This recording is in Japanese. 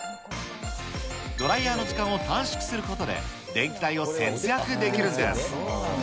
ドライヤーの時間を短縮することで、電気代を節約できるんです。